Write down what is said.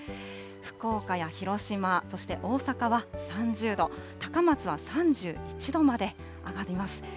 福岡や広島、そして大阪は３０度、高松は３１度まで上がります。